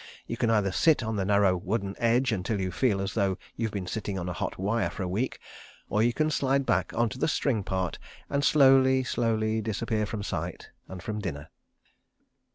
You can either sit on the narrow wooden edge until you feel as though you have been sitting on a hot wire for a week, or you can slide back on to the string part and slowly, slowly disappear from sight, and from dinner.